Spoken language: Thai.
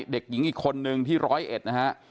เด็กหญิงอีกคนหนึ่งที่๑๐๑นะฮะ